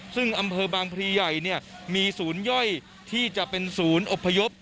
ซึ่งอำเภอบางพลีใหญ่มีศูนย์ย่อยที่จะเป็นศูนย์อบพยพ